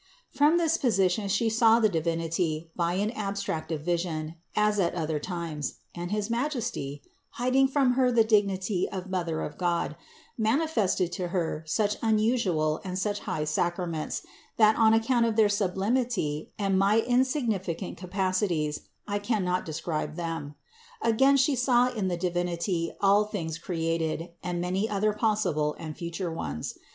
101. From this position She saw the Divinity by an abstractive vision, as at other times, and his Majesty, hiding from Her the dignity of Mother of God, mani fested to Her such unusual and such high sacraments, that on account of their sublimity and my insignificant capacities, I cannot describe them. Again She saw in the Divinity all things created and many other possible and future ones.